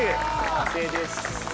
完成です。